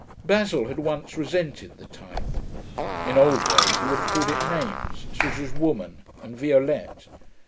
Basil had once resented the type. In old days he would have called it names, such as Woman, and Violette.